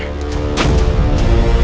aku akan mencari kekuatanmu